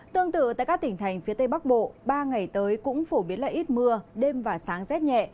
tương tự tại các tỉnh thành phía tây bắc bộ ba ngày tới cũng phổ biến là ít mưa đêm và sáng rét nhẹ